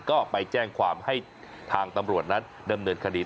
ก็ไปแจ้งความให้ทางตำรวจนั้นดำเนินคดี